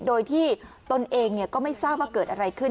โดยที่ตนเองก็ไม่ทราบว่าเกิดอะไรขึ้น